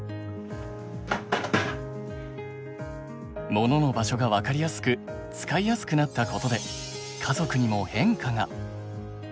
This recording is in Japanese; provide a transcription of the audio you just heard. モノの場所が分かりやすく使いやすくなったことで家族にも変化が。